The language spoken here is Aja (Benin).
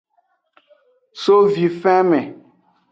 So vifenme.